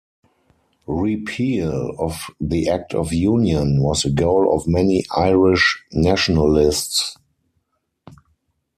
Repeal of the Act of Union was a goal of many Irish nationalists.